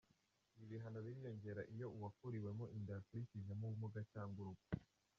Ibi bihano biriyongera iyo uwakuriwemo inda yakurijemo ubumuga cyangwa urupfu